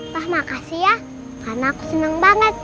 wah makasih ya karena aku senang banget